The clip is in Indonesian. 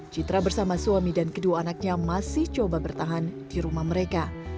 citra bersama suami dan kedua anaknya masih coba bertahan di rumah mereka